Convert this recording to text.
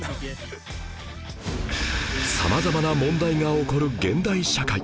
様々な問題が起こる現代社会